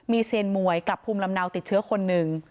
เซียนมวยกลับภูมิลำเนาติดเชื้อคนหนึ่ง